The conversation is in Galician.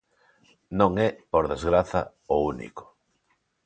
Non é, por desgraza, o único.